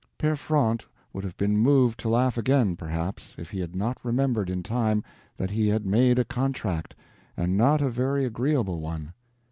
Pere Fronte would have been moved to laugh again, perhaps, if he had not remembered in time that he had made a contract, and not a very agreeable one.